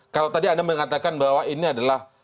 kalau tadi anda mengatakan bahwa ini adalah